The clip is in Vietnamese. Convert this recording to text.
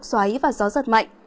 gió xoáy và gió giật mạnh